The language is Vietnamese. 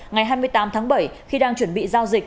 ngày hai mươi tám tháng bảy khi đang chuẩn bị giao dịch